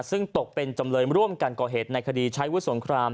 ซึ่งตกเป็นจำเลยร่วมกันก่อเหตุในคดีใช้วุฒิสงคราม